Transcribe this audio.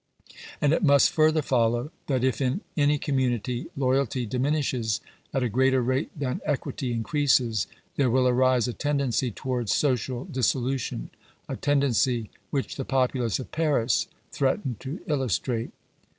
And it must further follow, that if in any community loyalty diminishes at a greater rate than equity increases, there will arise a tendency towards social dissolu tion — a tendency which the populace of Paris threaten to illustrate.